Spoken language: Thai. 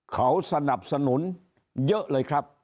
เขาสนับสนุนเยอะเลยครับ